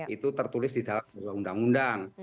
itu tertulis di dalam undang undang